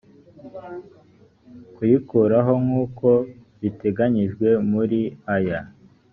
kuyikuraho nk uko biteganyijwe muri aya